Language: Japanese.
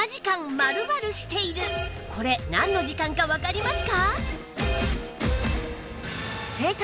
これなんの時間かわかりますか？